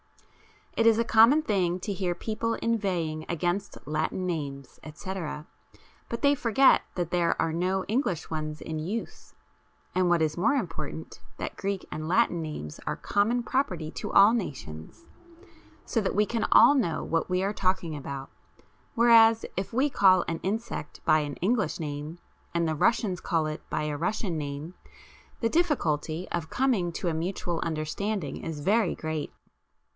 It is a common thing to hear people inveighing against Latin names, etc., but they forget that there are no English ones in use, and what is more important, that Greek and Latin names are common property to all nations, so that we can all know what we are talking about, whereas if we call an insect by an English name and the Russians call it by a Russian name, the difficulty of coming to a mutual understanding is very great.